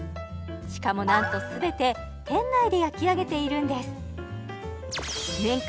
しかもなんと全て店内で焼き上げているんです年間